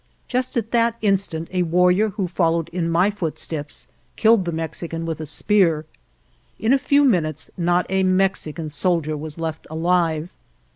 Just at that instant a warrior who followed in my footsteps killed the Mexican with a spear. In a few minutes not a Mexican soldier was left alive.